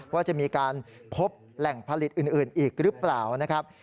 ว่าจะมีการพบแหล่งผลิตอื่นอีกหรือเปล่านะครับ